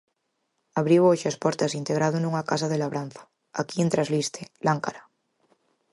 Abriu hoxe as portas integrado nunha casa de labranza, aquí en Trasliste, Láncara.